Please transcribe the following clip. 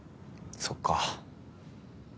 そっか。